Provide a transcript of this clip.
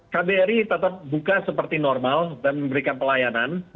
kbri tetap buka seperti normal dan memberikan pelayanan